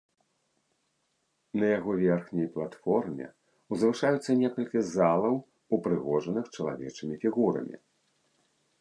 На яго верхняй платформе ўзвышаюцца некалькі залаў, упрыгожаных чалавечымі фігурамі.